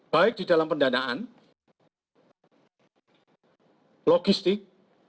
baik di dalam pendanaan logistik